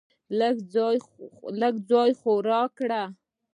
لږ ځای خو راکړه .